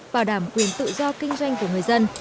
bảo đảm quyền tự do kinh doanh của người dân